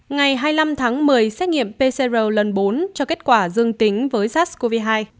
ngày hai mươi năm tháng một mươi xét nghiệm pcr lần bốn cho kết quả dương tính với sars cov hai